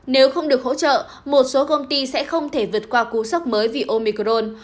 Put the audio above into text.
nếu không được hỗ trợ một số công ty sẽ không thể vượt qua cú sốc mới vì omicrone